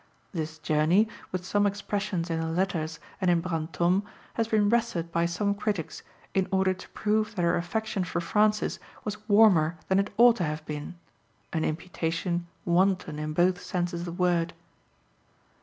This journey, with some expressions in her letters and in Brantôme, has been wrested by some critics in order to prove that her affection for Francis was warmer than it ought to have been an imputation wanton in both senses of the word.